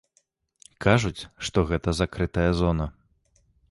Кажуць, што гэта закрытая зона.